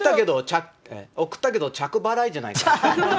贈ったけど、着払いじゃない？